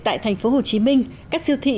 tại tp hcm các siêu thị